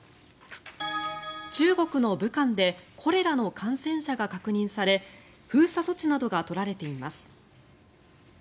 中国の武漢でコレラの感染者が確認され封鎖措置などが取られています。